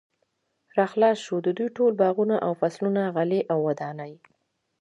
را خلاص شو، د دوی ټول باغونه او فصلونه، غلې او دانې